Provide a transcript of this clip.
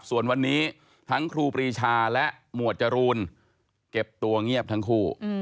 ส่วนวันนี้ทั้งครูปรีชาและหมวดจรูนเก็บตัวเงียบทั้งคู่